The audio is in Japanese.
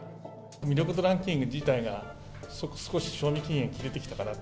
魅力度ランキング自体が、少し賞味期限切れてきたかなと。